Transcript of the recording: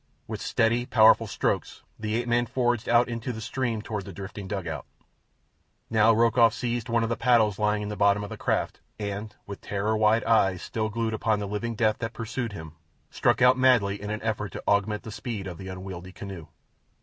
With steady, powerful strokes the ape man forged out into the stream toward the drifting dugout. Now Rokoff seized one of the paddles lying in the bottom of the craft, and, with terrorwide eyes still glued upon the living death that pursued him, struck out madly in an effort to augment the speed of the unwieldy canoe.